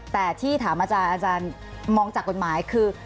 แต่ที่ถามอาจารย์มองจากกฎหมายคือ